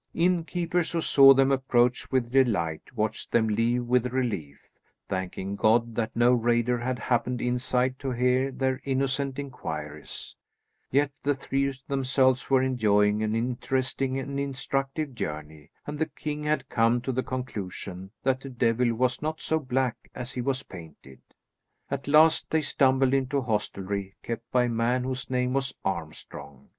Innkeepers who saw them approach with delight, watched them leave with relief, thanking God that no raider had happened inside to hear their innocent inquiries; yet the three themselves were enjoying an interesting and instructive journey, and the king had come to the conclusion that the devil was not so black as he was painted. At last, they stumbled into a hostelry kept by a man whose name was Armstrong.